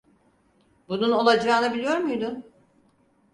Bunun olacağını biliyor muydun?